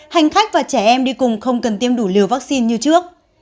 hành khách và trẻ em đi cùng không cần tiêm đủ liều vaccine như trước